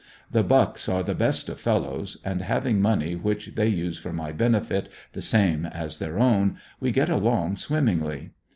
The Bucks are the best of fellows, and having money which they use for my benefit the same as their own, we get along swimmingly.